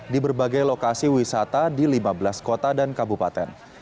di berbagai lokasi wisata di lima belas kota dan kabupaten